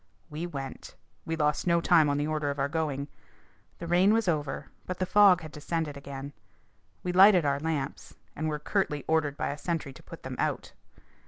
We went. We lost no time on the order of our going. The rain was over, but the fog had descended again. We lighted our lamps, and were curtly ordered by a sentry to put them out.